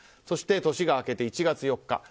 そして、年が明けて１月４日。